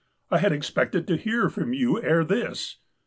I had ex pected to hear from you ere this."